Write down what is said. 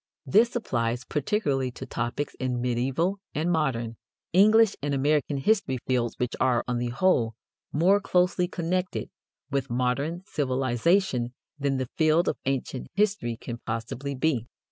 This applies particularly to topics in medieval and modern, English and American history fields which are, on the whole, more closely connected with modern civilization than the field of ancient history can possibly be.